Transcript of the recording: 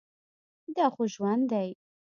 دا خو ژوندى دى.